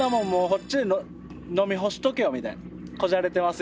そっちで飲み干しとけよみたいな。